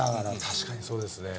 確かにそうですね。